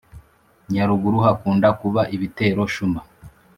Nyaruguru hakunda kuba ibitero shuma